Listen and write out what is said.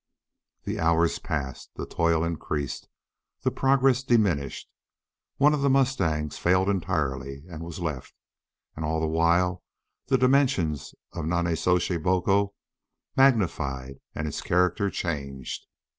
The hours passed; the toil increased; the progress diminished; one of the mustangs failed entirely and was left; and all the while the dimensions of Nonnezoshe Boco magnified and its character changed.